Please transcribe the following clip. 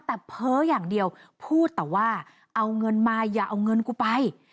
แต่เพ้ออย่างเดียวพูดแต่ว่าเอาเงินมาอย่าเอาเงินกูไป